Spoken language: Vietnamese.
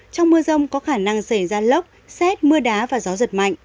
trong mưa rông có khả năng xảy ra lốc xét mưa đá và gió giật mạnh